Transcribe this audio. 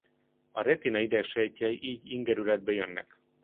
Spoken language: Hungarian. A retina idegsejtjei így ingerületbe jönnek.